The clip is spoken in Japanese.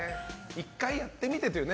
１回やってみてという。